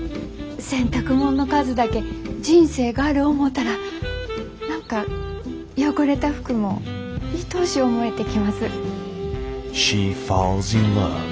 洗濯もんの数だけ人生がある思うたら何か汚れた服もいとおしゅう思えてきます。